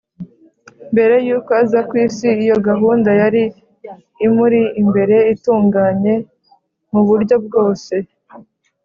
Mbere y’uko aza kw’isi, iyo gahunda yari imuri imbere, itunganye mu buryo bwose